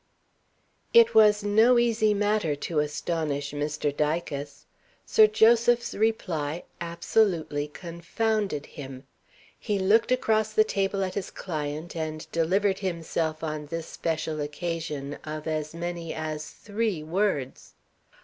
It was no easy matter to astonish Mr. Dicas. Sir Joseph's reply absolutely confounded him. He looked across the table at his client and delivered himself on this special occasion of as many as three words.